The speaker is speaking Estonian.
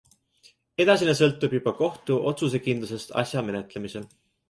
Edasine sõltub juba kohtu otsusekindlusest asja menetlemisel.